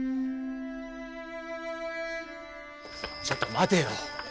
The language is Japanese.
ちょっと待てよ。